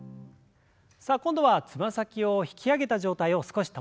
さあ今度はつま先を引き上げた状態を少し保ちます。